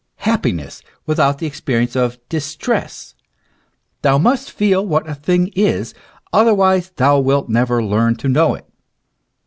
happiness without the experience of distress? Thou must feel what a thing is; otherwise thou wilt never learn to know it.